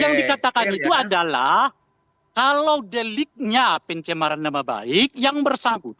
yang dikatakan itu adalah kalau deliknya pencemaran nama baik yang bersangkutan